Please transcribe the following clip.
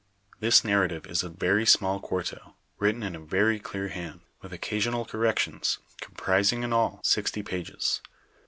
This narrative is a very small quarto, written in a very clear hand, with occasional corrections, comprising in all, sixty pages.